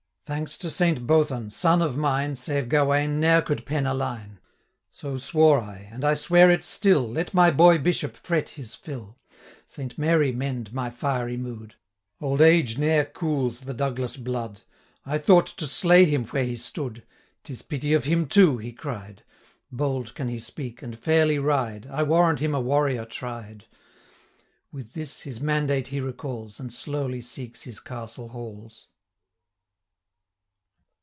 Thanks to Saint Bothan, son of mine, 460 Save Gawain, ne'er could pen a line: So swore I, and I swear it still, Let my boy bishop fret his fill. Saint Mary mend my fiery mood! Old age ne'er cools the Douglas blood, 465 I thought to slay him where he stood. 'Tis pity of him too,' he cried; 'Bold can he speak, and fairly ride, I warrant him a warrior tried.' With this his mandate he recalls, 470 And slowly seeks his castle halls.